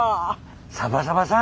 サバサバさん！